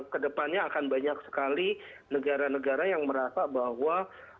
kedepannya akan banyak sekali negara negara yang merasa bahwa